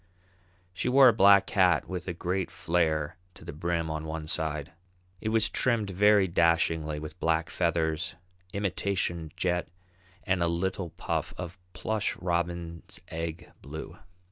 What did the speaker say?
She wore a black hat with a great flare to the brim on one side. It was trimmed very dashingly with black feathers, imitation jet, and a little puff of plush robin's egg blue.